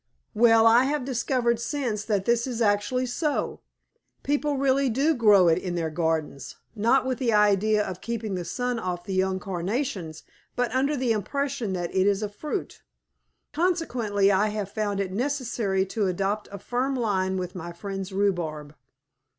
Well, I have discovered since that this is actually so. People really do grow it in their gardens, not with the idea of keeping the sun off the young carnations, but under the impression that it is a fruit. Consequently I have found it necessary to adopt a firm line with my friends' rhubarb.